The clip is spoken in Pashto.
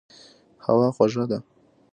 هوا خوږه ده.